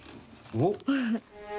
おっ？